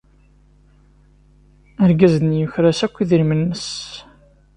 Argaz-nni yuker-as akk idrimen-nnes.